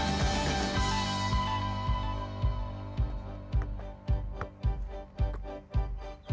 penjaga akan menangkap penyandang yang berpengalaman